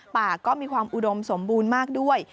ป่าก็มีความอุดมสมบูรณ์มากด้วย